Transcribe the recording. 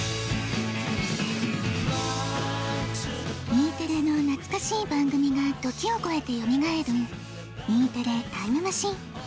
Ｅテレのなつかしい番組が時をこえてよみがえるＥテレタイムマシン。